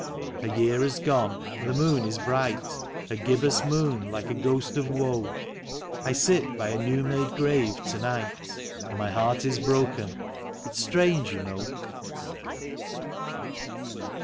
A year has gone and the moon is bright, A gibbous moon like a ghost of woe: I sit by a new made grave to night, And my heart is broken — it's strange, you know.